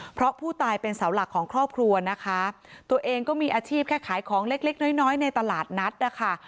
เพราะผู้ตายเป็นเสาหลักของครอบครัวนะคะตัวเองก็มีอาชีพแค่ขายของเล็กเล็กน้อยน้อยในตลาดนัดนะคะ